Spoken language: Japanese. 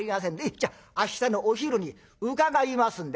じゃあ明日のお昼に伺いますんで」。